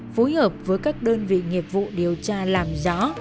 phối hợp với các đơn vị nghiệp vụ điều tra làm rõ